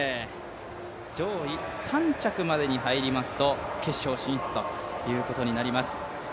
上位３着までに入りますと決勝進出ということになります。